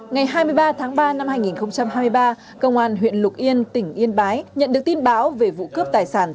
ngày hai mươi ba tháng ba năm hai nghìn hai mươi ba công an huyện lục yên tỉnh yên bái nhận được tin báo về vụ cướp tài sản